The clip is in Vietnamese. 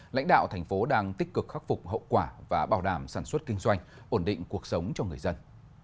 lãnh đạo thành phố đang tích cực khắc phục hậu quả và bảo đảm sản xuất kinh doanh ổn định cuộc sống cho người dân